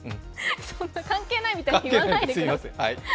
あ、関係ないみたいに言わないでくださいよ。